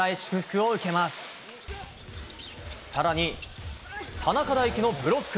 更に田中大貴のブロック。